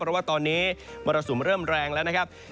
เพราะว่าตอนนี้มรสุมเริ่มแรงแล้วนะครับ